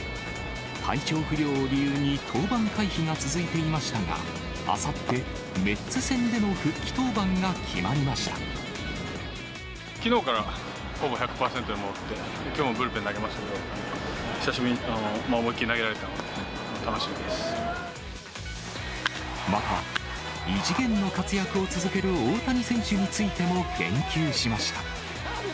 体調不良を理由に登板回避が続いていましたが、あさってメッツ戦きのうからほぼ１００％に戻って、きょうもブルペンで投げましたけど、久しぶりに思いっ切り投げらまた、異次元の活躍を続ける大谷選手についても言及しました。